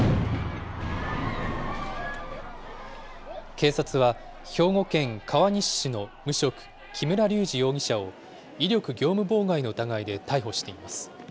警察は、兵庫県川西市の無職、木村隆二容疑者を威力業務妨害の疑いで逮捕しています。